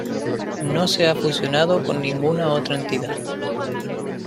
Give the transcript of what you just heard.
No se ha fusionado con ninguna otra entidad.